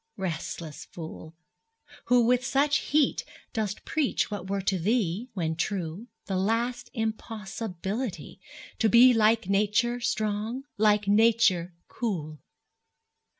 Restless fool, Who with such heat dost preach what were to thee, When true, the last impossibility To be like Nature strong, like Nature cool!